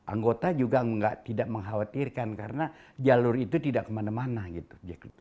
anggota juga tidak mengkhawatirkan karena jalur itu tidak kemana mana gitu